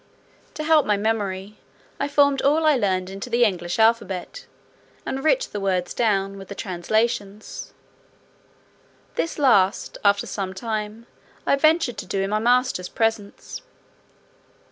To help my memory, I formed all I learned into the English alphabet, and writ the words down, with the translations. This last, after some time, I ventured to do in my master's presence.